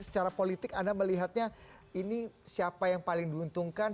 secara politik anda melihatnya ini siapa yang paling diuntungkan